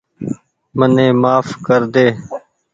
مني مهاڦ ڪر ۮي